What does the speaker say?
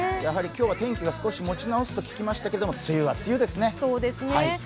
今日は天気が少し持ち直すと聞きましたけど梅雨は梅雨ですね。